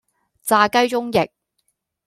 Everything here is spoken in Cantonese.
炸雞中翼